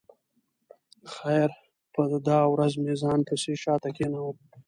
خیر په دا ورځ مې ځان پسې شا ته کېناوه.